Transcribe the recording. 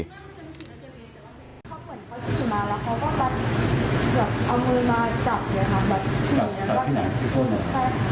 สุดใจแล้วก็ท้องตรงให้รถรขเวรไม่ถูก